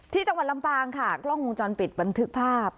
ที่จังหวัดลำปางค่ะกล้องวงจรปิดบันทึกภาพ